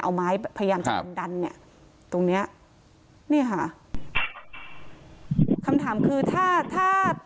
เอาไม้พยายามจะดันดันเนี่ยตรงเนี้ยนี่ค่ะคำถามคือถ้าถ้า